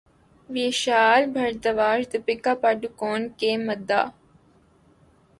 ویشال بھردواج دپیکا پڈوکون کے مداح